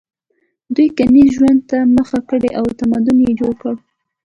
دوی کرنیز ژوند ته مخه کړه او تمدن یې جوړ کړ.